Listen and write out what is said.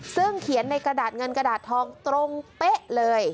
ซึ่งเขียนในกระดาษเงินกระดาษทองตรงเป๊ะเลย